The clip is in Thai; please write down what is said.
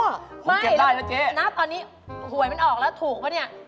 ไม่ถูกเก็บได้แล้วเจ๊นักตอนนี้หวยมันออกแล้วถูกปะนี่